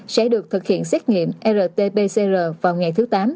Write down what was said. sẽ được thực hiện xét nghiệm rt pcr vào ngày thứ tám